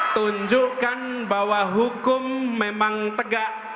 tunjukkan bahwa hukum memang tegak